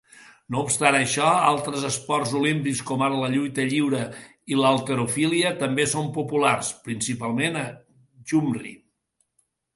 No obstant això, altres esports olímpics com ara la lluita lliure i l"halterofília també són populars, principalment a Gyumri.